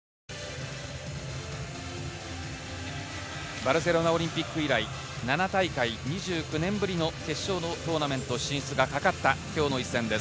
バルセロナオリンピック以来、７大会２９年ぶりの決勝のトーナメント進出がかかった今日の一戦です。